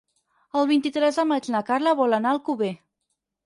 El vint-i-tres de maig na Carla vol anar a Alcover.